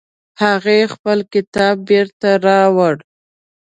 هغې خپل کتاب بیرته راوړ